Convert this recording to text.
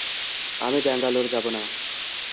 আমি ব্যাঙ্গালোর যাবো না।